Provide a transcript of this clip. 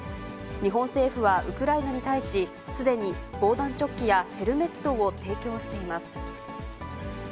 日本政府はウクライナに対し、すでに防弾チョッキやヘルメットを提供しています。